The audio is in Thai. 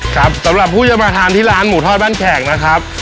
สำหรับผู้จะมาทานที่ร้านหมูทอดบ้านแขกนะครับ